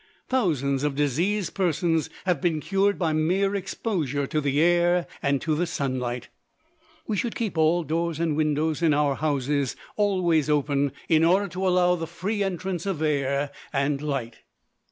Thousands of diseased persons have been cured by mere exposure to the air and to the sunlight. We should keep all doors and windows in our houses always open, in order to allow the free entrance of air and light.